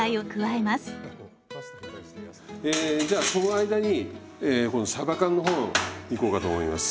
えじゃあその間に今度さば缶の方いこうかと思います。